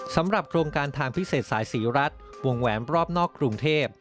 สำหรับโครงการทางพิเศษสายศรีรัฐวงแหวนรอบนอกกรุงเทพ